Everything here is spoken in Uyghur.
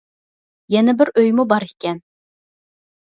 يەنە بىر ئۆيمۇ بار ئىكەن.